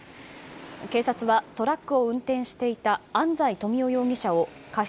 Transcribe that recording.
警察はトラックを運転していた安在富夫容疑者を過失